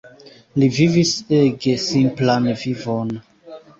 Li vivis ege simplan vivon.